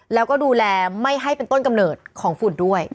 แล้วก็ดูแลไม่ให้เป็นต้นกำเนิดของฝุ่นด้วย